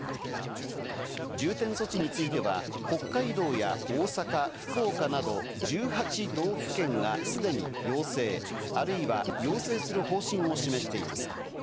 重点措置については北海道や大阪、福岡など１８道府県がすでに要請、或いは要請する方針を示しています。